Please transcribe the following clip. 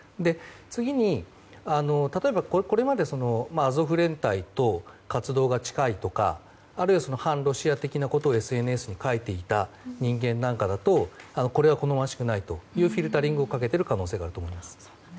次に、例えばこれまでアゾフ連隊と活動が近いとかあるいは反ロシア的なことをＳＮＳに書いていた人間なんかだとこれは、好ましくないというフィルタリングをかけている可能性があると思います。